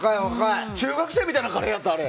中学生みたいなカレーやった。